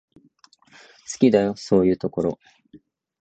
好きだよ、そういうところ。